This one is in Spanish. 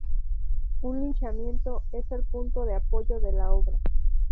Un linchamiento es el punto de apoyo de la obra.